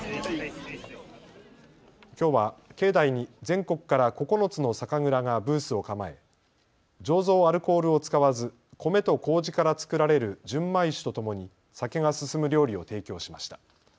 きょうは境内に全国から９つの酒蔵がブースを構え醸造アルコールを使わず米とこうじから造られる純米酒とともに酒が進む料理を提供しました。